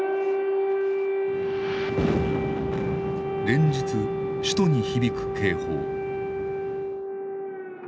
連日首都に響く警報。